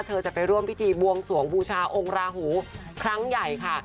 จะไปร่วมพิธีบวงสวงบูชาองค์ราหูครั้งใหญ่ค่ะ